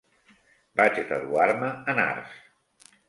Vaig graduar-me en arts.